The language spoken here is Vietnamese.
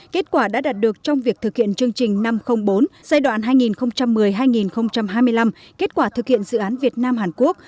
kết quả đã đạt được trong việc thực hiện chương trình năm trăm linh bốn giai đoạn hai nghìn một mươi hai nghìn hai mươi năm kết quả thực hiện dự án việt nam hàn quốc